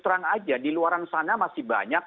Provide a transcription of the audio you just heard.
terang aja di luar sana masih banyak